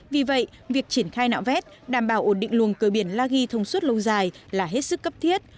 vì vậy việc triển khai nạo vét đảm bảo ổn định luồng cơ biển la ghi thông suốt lâu dài là hết sức cấp thiết